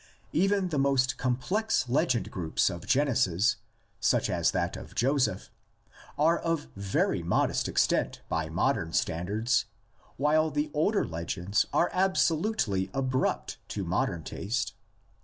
Even the most complex legend groups of Genesis, such as that of Joseph, are of very modest extent by modern standards, while the older legends are absolutely abrupt to modern taste.